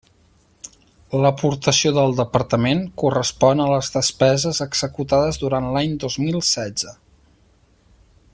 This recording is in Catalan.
L'aportació del Departament correspon a les despeses executades durant l'any dos mil setze.